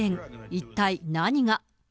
一体何が。